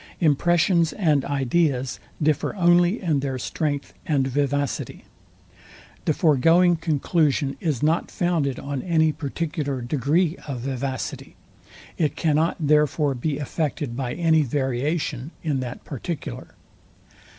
Impressions and ideas differ only in their strength and vivacity. The foregoing conclusion is not founded on any particular degree of vivacity. It cannot therefore be affected by any variation in that particular.